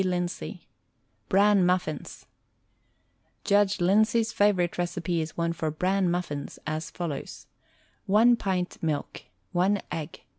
Lindsey BRAN MUFFINS Judge Lindsey's favorite recipe is one for Bran Muffins, as follows: I pint milk 1 egg Y2.